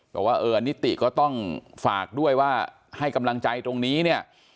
บอกว่าเออนิติก็ต้องฝากด้วยว่าให้กำลังใจตรงนี้เนี่ย